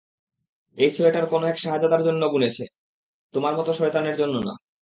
এই সোয়েটার কোনো এক শাহজাদার জন্য বুনছে, তোমার মতো শয়তানের জন্য না।